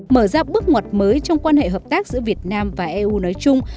mở ra bước ngoặt mới trong quan hệ hợp tác giữa việt nam và eu nói chung